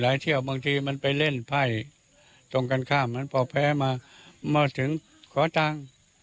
และอันดีจาวอัลสินเป็นแปรไทยราวมาทำบริกาไม้ธุระกัน